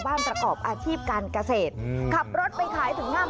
มอลำคลายเสียงมาแล้วมอลำคลายเสียงมาแล้ว